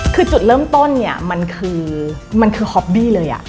คือจุดเริ่มต้นมันคือฮอบบี้เลย